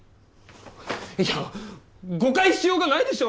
いや誤解しようがないでしょ！